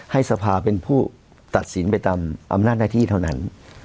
สภาเป็นผู้ตัดสินไปตามอำนาจหน้าที่เท่านั้น